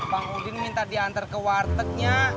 bang udin minta diantar ke wartegnya